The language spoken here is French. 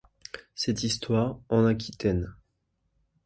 Cette histoire : En Aquitaine